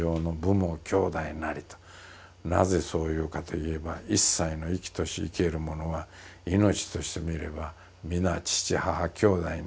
なぜそう言うかといえば一切の生きとし生けるものは命としてみれば皆父母兄弟に等しいではないかと。